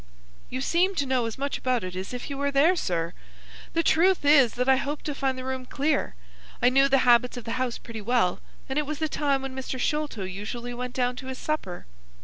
"You seem to know as much about it as if you were there, sir. The truth is that I hoped to find the room clear. I knew the habits of the house pretty well, and it was the time when Mr. Sholto usually went down to his supper.